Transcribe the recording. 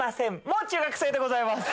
もう中学生でございます。